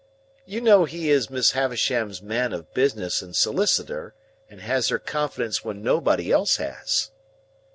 "You know he is Miss Havisham's man of business and solicitor, and has her confidence when nobody else has?"